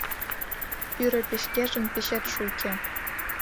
Пӱрӧ печкежын печетше уке